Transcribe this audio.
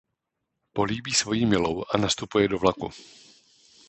Políbí svoji milou a nastupuje do vlaku.